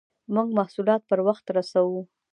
موږ محصولات پر وخت رسوو.